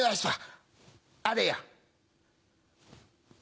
あれや」。